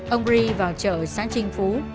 ông ri vào chợ sáng trinh phú